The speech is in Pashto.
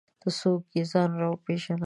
ته څوک یې ځان راوپېژنه!